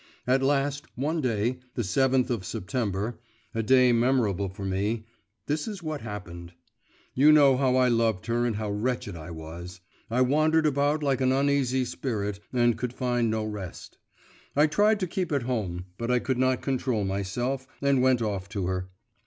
At last, one day, the seventh of September a day memorable for me this is what happened. You know how I loved her and how wretched I was. I wandered about like an uneasy spirit, and could find no rest. I tried to keep at home, but I could not control myself, and went off to her.